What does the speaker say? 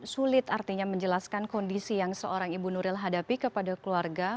sulit artinya menjelaskan kondisi yang seorang ibu nuril hadapi kepada keluarga